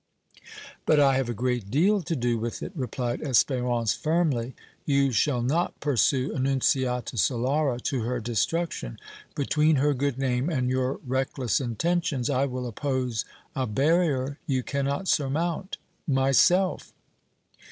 "But I have a great deal to do with it!" replied Espérance, firmly. "You shall not pursue Annunziata Solara to her destruction! Between her good name and your reckless intentions I will oppose a barrier you cannot surmount myself!"